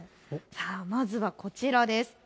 まずはこちらです。